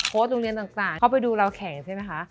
โรงเรียนต่างเข้าไปดูเราแข่งใช่ไหมคะ